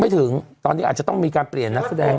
ถึงตอนนี้อาจจะต้องมีการเปลี่ยนนักแสดง